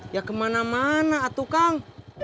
ya kemana mana atuh kang